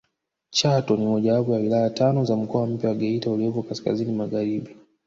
Chato ni mojawapo ya wilaya tano za mkoa mpya wa Geita uliopo kaskazini magharibi